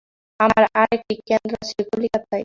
আমার আর একটি কেন্দ্র আছে কলিকাতায়।